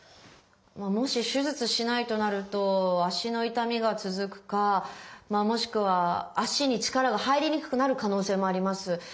まあもし手術しないとなると脚の痛みが続くかまあもしくは脚に力が入りにくくなる可能性もあります。